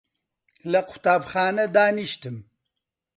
لە قوتابخانە دانیشتم